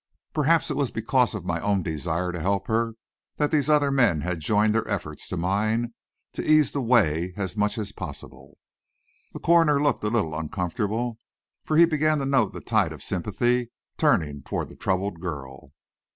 Perhaps it was because of my own desire to help her that these other men had joined their efforts to mine to ease the way as much as possible. The coroner looked a little uncomfortable, for he began to note the tide of sympathy turning toward the troubled girl.